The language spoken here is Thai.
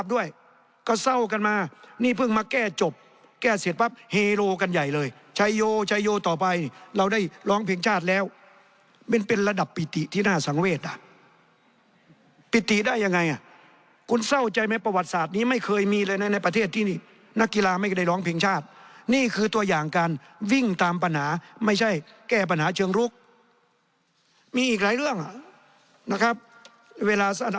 ก็ดูถูกคิดนะนี่พึ่งมาแก้จบแก้เสร็จปรับเฮโรกันใหญ่เลยไชโยไชโยรอปัญหาเราได้ร้องเพียงชาติแล้วเเป็นระดับปิติที่น่าสังเวษอ่ะปิติได้ยังไงอ่ะคุณเศร้าใจไหมประวัติศาสตร์นี้ไม่เคยมีอะไรในประเทศที่นี่นักกีฬาไม่ก็ได้ร้องเพ่